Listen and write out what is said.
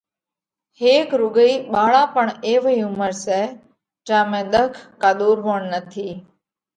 هيڪ رُوڳئِي ٻاۯا پڻ ايوئي عُمر سئہ، جيا ۾ ۮک ڪا ۮورووڻ نٿِي۔